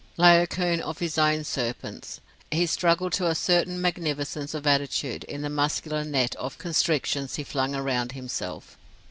Laocoon of his own serpents, he struggled to a certain magnificence of attitude in the muscular net of constrictions he flung around himself.